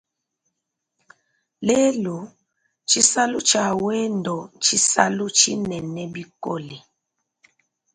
Lelu, tshisalu tshia wendo ntshisalu tshinene bikole.